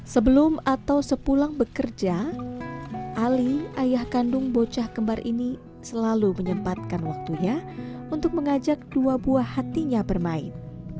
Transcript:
sebelum atau sepulang bekerja ali ayah kandung bocah kembar ini selalu menyempatkan waktunya untuk mengajak dua buah hatinya bermain